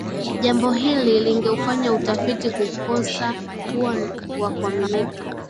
Jambo hili lingeufanya utafiti kukosa kuwa wa kuaminika